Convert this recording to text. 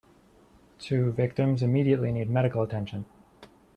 Two victims immediately need medical attention.